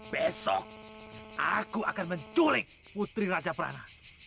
besok aku akan menculik putri raja prana